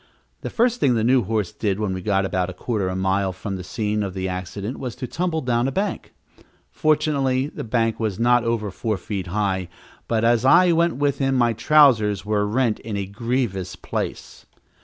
The first thing the new horse did when he got about a quarter of a mile from the scene of the accident was to tumble down a bank. Fortunately the bank was not over four feet high, but as I went with him, my trousers were rent in a grievous place.